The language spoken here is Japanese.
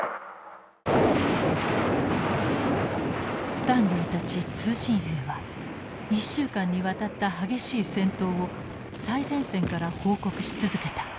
スタンリーたち通信兵は１週間にわたった激しい戦闘を最前線から報告し続けた。